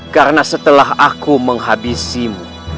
karena setelah aku menghabisimu